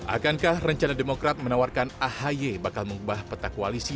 akankah rencana demokrat menawarkan ahy bakal mengubah peta koalisi